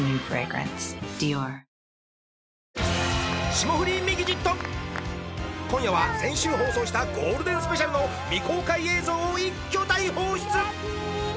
「霜降りミキＸＩＴ」今夜は先週放送したゴールデンスペシャルの未公開映像を一挙大放出！